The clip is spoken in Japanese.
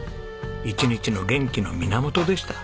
一日の元気の源でした。